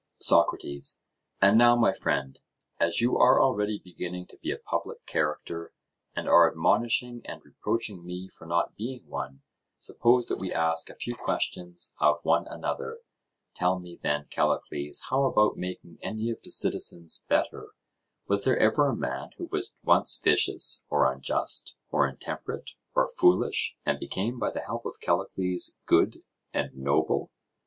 SOCRATES: And now, my friend, as you are already beginning to be a public character, and are admonishing and reproaching me for not being one, suppose that we ask a few questions of one another. Tell me, then, Callicles, how about making any of the citizens better? Was there ever a man who was once vicious, or unjust, or intemperate, or foolish, and became by the help of Callicles good and noble?